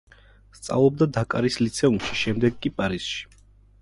სწავლობდა დაკარის ლიცეუმში, შემდეგ კი პარიზში.